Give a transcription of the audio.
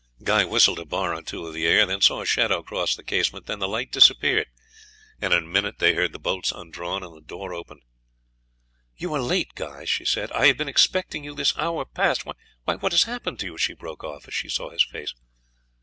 He whistled a bar or two of the air, they saw a shadow cross the casement, then the light disappeared, and in a minute they heard the bolts undrawn and the door opened. "You are late, Guy," she said; "I have been expecting you this hour past. Why, what has happened to you?" she broke off as she saw his face.